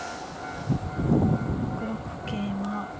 ６六桂馬